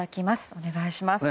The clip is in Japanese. お願いします。